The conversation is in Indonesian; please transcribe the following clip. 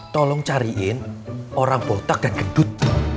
tolong cariin orang botak dan gedut